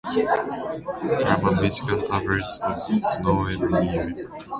Herman, Michigan, averages of snow every year.